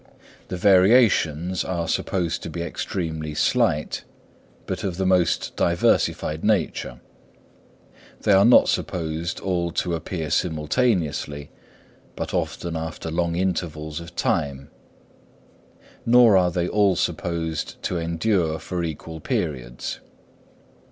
The variations are supposed to be extremely slight, but of the most diversified nature; they are not supposed all to appear simultaneously, but often after long intervals of time; nor are they all supposed to endure for equal periods.